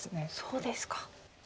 そうですか。